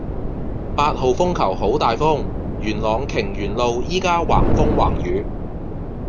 八號風球好大風，元朗瓊園路依家橫風橫雨